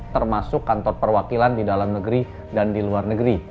termasuk kantor perwakilan di dalam negeri dan di luar negeri